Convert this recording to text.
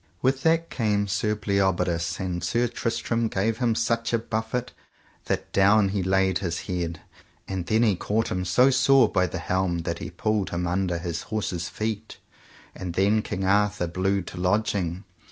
With that came Sir Bleoberis, and Sir Tristram gave him such a buffet that down he laid his head; and then he caught him so sore by the helm that he pulled him under his horse's feet. And then King Arthur blew to lodging.